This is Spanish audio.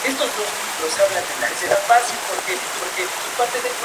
A esto le siguió una guerra con Suecia de resultados no concluyentes.